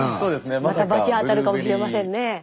またバチ当たるかもしれませんねえ。